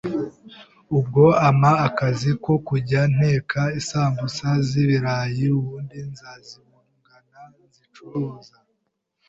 ubwo ampa akazi ko kujya nteka isambusa z’ibirayi ubundi nkazibungana nzicuruza.